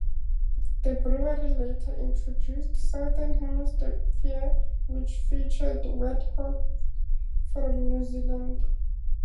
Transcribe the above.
The brewery later introduced Southern Hemisphere which features wet hops from New Zealand.